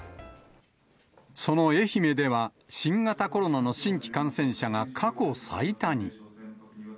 その愛媛では、新型コロナの新規感染者が過去最多に。